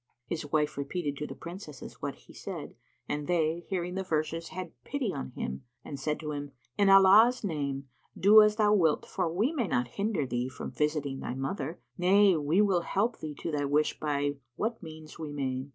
His wife repeated to the Princesses what he said and they, hearing the verses, had pity on him and said to him, "In Allah's name, do as thou wilt, for we may not hinder thee from visiting thy mother; nay, we will help thee to thy wish by what means we may.